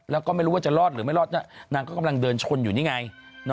แล้วก็ไม่รู้ว่าจะรอดหรือไม่รอดนางก็กำลังเดินชนอยู่นี่ไง